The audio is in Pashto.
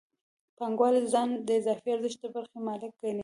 پانګوال ځان د اضافي ارزښت د برخې مالک ګڼي